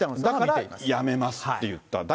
だから辞めますと言った。